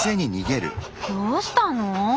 どうしたのぉ？